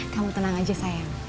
kamu tenang aja sayang